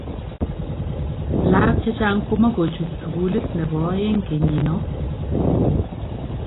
laak chechang komokuchut sukulit nebo oeng kenyiinoo